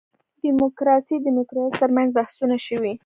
دیموکراسي دیموکراسي تر منځ بحثونه شوي.